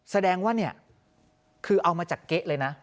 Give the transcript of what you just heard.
แสดงว่าเนี่ยคือเอามาจากเก๊ะเลยนะ